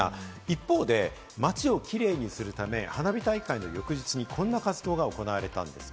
一方で街をキレイにするため、花火大会の翌日にこんな活動が行われていたんです。